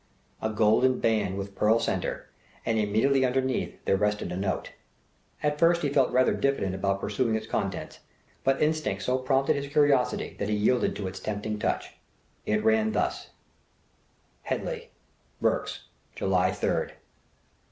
A golden band with pearl centre, and immediately underneath it there rested a note. At first he felt rather diffident about perusing its contents, but instinct so prompted his curiosity that he yielded to its tempting touch. It ran thus: "Hedley, Berks, July 3rd.